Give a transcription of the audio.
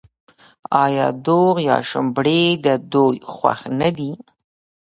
آیا دوغ یا شړومبې د دوی خوښ نه دي؟